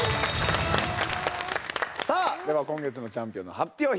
さあでは今月のチャンピオンの発表